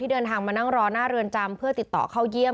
เดินทางมานั่งรอหน้าเรือนจำเพื่อติดต่อเข้าเยี่ยม